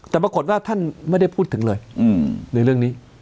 แต่ปรากฏว่าท่านไม่ได้พูดถึงเลยในเรื่องนี้